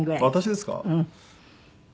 私ですか？